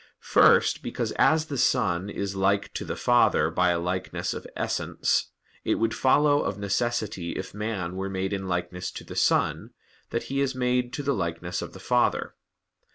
First, because as the Son is like to the Father by a likeness of essence, it would follow of necessity if man were made in likeness to the Son, that he is made to the likeness of the Father.